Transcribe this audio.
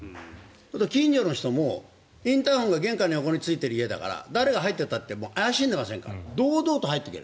近所の人もインターホンが玄関の横についている家だから誰が入っていったって怪しんでいないので堂々と入っていける。